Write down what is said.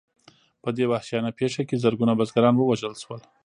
په دې وحشیانه پېښه کې زرګونه بزګران ووژل شول.